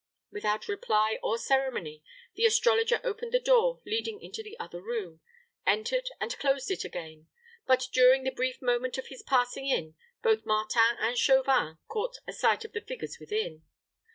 Without reply or ceremony, the astrologer opened the door leading into the other room, entered and closed it again; but during the brief moment of his passing in both Martin and Chauvin caught a sight of the figures within.